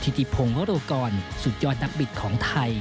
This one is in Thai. ที่ดิพงวรกรสุดยอดนักบิดของไทย